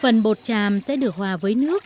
phần bột tràm sẽ được hòa với nước